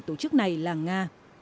tổ chức này là nga